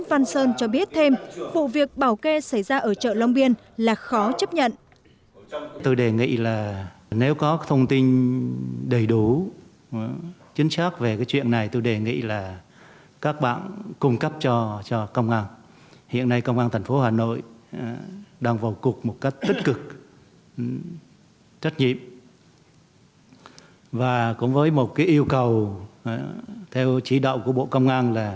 văn sơn cho biết thêm vụ việc bảo kê xảy ra ở chợ long biên là khó chấp nhận